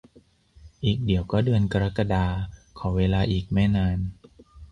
อีกเดี๋ยวก็เดือนกรกฎา ขอเวลาอีกไม่นาน